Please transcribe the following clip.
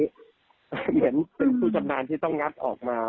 เหมือนเป็นผู้ชำนาญที่ต้องงัดออกมา